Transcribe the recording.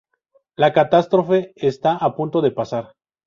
La catástrofe está a punto de pasar.